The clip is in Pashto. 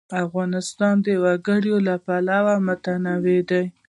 افغانستان د وګړي له پلوه متنوع دی.